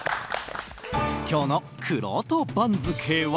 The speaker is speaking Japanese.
今日のくろうと番付は。